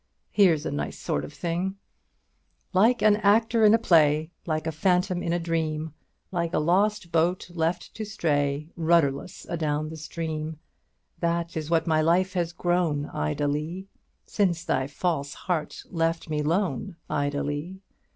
Here's a nice sort of thing: 'Like an actor in a play, Like a phantom in a dream, Like a lost boat left to stray Rudderless adown the stream, This is what my life has grown, Ida Lee, Since thy false heart left me lone, Ida Lee.